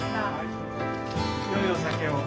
よいお酒を。